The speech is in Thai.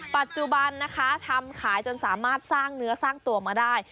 ปัจจุบันนะคะทำขายจนสามารถสร้างเนื้อสร้างตัวมาได้